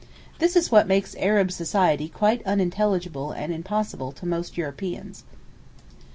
This is what makes Arab society quite unintelligible and impossible to most Europeans.